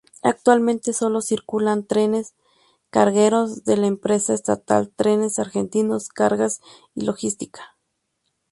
Actualmente sólo circulan trenes cargueros de la empresa estatal Trenes Argentinos Cargas y Logística.